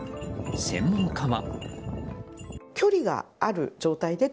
専門家は。